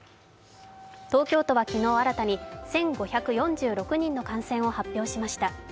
東京都は昨日新たに１５４６人の感染を発表しました。